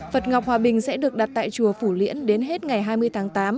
phật ngọc hòa bình sẽ được đặt tại chùa phủ liễn đến hết ngày hai mươi tháng tám